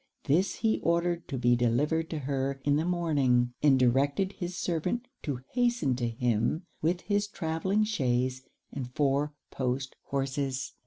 This he ordered to be delivered to her in the morning; and directed his servant to hasten to him with his travelling chaise and four post horses.